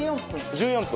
１４分。